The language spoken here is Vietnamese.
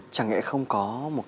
chẳng hẽ không có